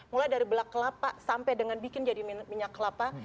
mulai dari belak kelapa sampai dengan bikin jadi minyak kelapa